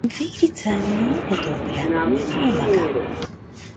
Верица е многу добра ми помага.